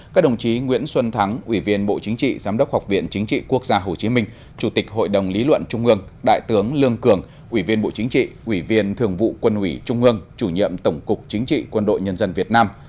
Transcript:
các đồng chí nguyễn xuân thắng ủy viên bộ chính trị giám đốc học viện chính trị quốc gia hồ chí minh chủ tịch hội đồng lý luận trung ương đại tướng lương cường ủy viên bộ chính trị ủy viên thường vụ quân ủy trung ương chủ nhiệm tổng cục chính trị quân đội nhân dân việt nam